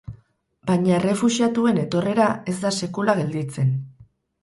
Baina errefuxiatuen etorrera ez da sekula gelditzen.